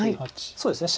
そうですね